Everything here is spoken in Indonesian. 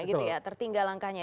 gitu ya tertinggal langkahnya